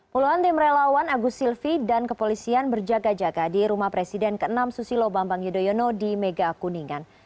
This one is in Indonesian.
puluhan tim relawan agus silvi dan kepolisian berjaga jaga di rumah presiden ke enam susilo bambang yudhoyono di mega kuningan